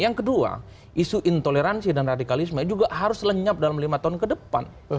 yang kedua isu intoleransi dan radikalisme juga harus lenyap dalam lima tahun ke depan